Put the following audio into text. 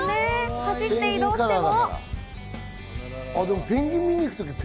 走って移動しても。